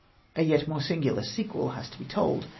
A yet more singular sequel has to be told.